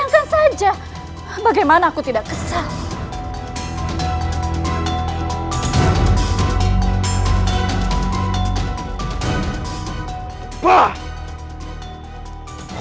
kesana makan deste